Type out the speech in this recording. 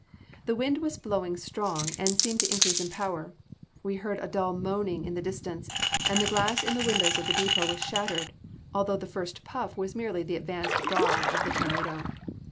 The wind was blowing strong, and seemed to increase in power. We heard a dull moaning in the distance, and the glass in the windows of the depot was shattered, although the first puff was merely the advance guard of the tornado.